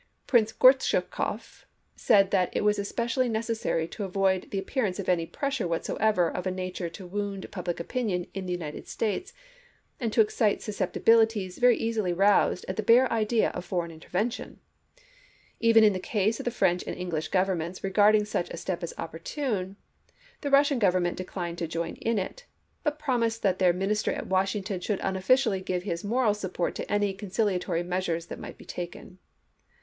Prince Gortschakoff said that it was especially necessary to avoid the ap pearance of any pressm^e whatsoever of a nature to wound public opinion in the United States, and to excite susceptibilities very easily roused at the bare idea of foreign intervention. Even in the case of the French and English governments regarding such a step as opportune, the Russian Government Vol. VL— 5 6d ABRAHAM LINCOLN Chap. III. 1862. Spencer Walpole, "Life of Lord John Russell." Vol. II., p. 344 ei seq. declined to join in it, but promised that their Min ister at Washington should unofficially give his moral support to any conciliatory measures that might be taken.